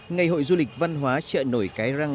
ngày hội du lịch văn hóa chợ nổi cái răng